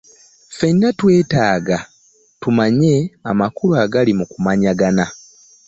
Ffenna twetaaga tumanye amakulu agali mu kumanyagana.